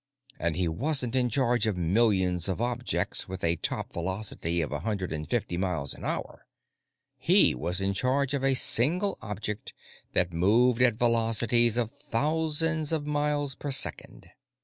And he wasn't in charge of millions of objects with a top velocity of a hundred and fifty miles an hour; he was in charge of a single object that moved at velocities of thousands of miles per second.